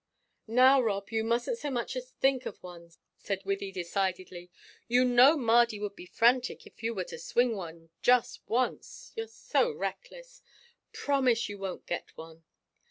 "Now, Rob, you mustn't so much as think of one!" said Wythie, decidedly. "You know Mardy would be frantic if you were to swing one just once you're so reckless! Promise you won't get one."